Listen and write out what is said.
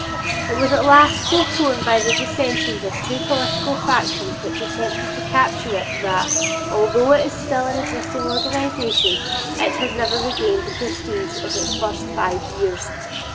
It was at last so torn by the dissensions of two political factions which attempted to capture it that, although it is still an existing organization, it has never regained the prestige of its first five years.